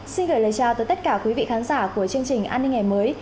xin gửi lời chào tới tất cả quý vị khán giả của chương trình an ninh ngày mới